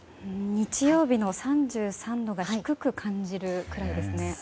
日曜日の３３度が低く感じるくらいですね。